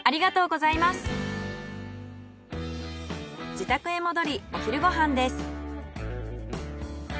自宅へ戻りお昼ご飯です。